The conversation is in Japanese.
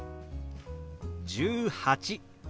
「１８」。